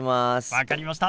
分かりました！